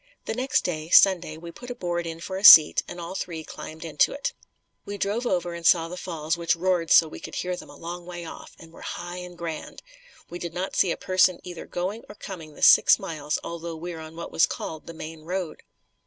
The next day, Sunday, we put a board in for a seat and all three climbed onto it. We drove over and saw the Falls which roared so we could hear them a long way off and were high and grand. We did not see a person either going or coming the six miles although we were on what was called the Main Road.